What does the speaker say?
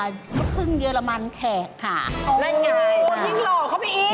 ยิ่งหล่อเข้าไปอีก